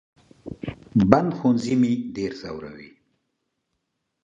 بند ښوونځي مې ډېر زوروي